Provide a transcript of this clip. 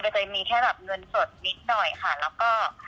ใบเตยมีแค่เงินสดนิดหน่อยค่ะแล้วก็